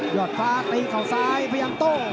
อดฟ้าตีเขาซ้ายพยายามโต้